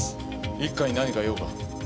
一課に何か用か？